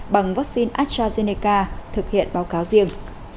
bằng vaccine astrazeneca thực hiện báo cáo riêng